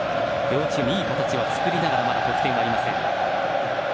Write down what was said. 両チーム、いい形は作りながらまだ得点がありません。